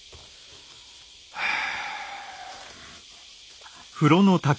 はあ。